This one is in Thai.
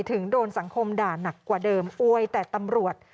ถึงโดนสังคมด่านักกว่าเดิมอวยแต่ตำรวจ